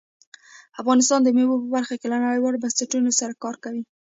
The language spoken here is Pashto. افغانستان د مېوو په برخه کې له نړیوالو بنسټونو سره کار کوي.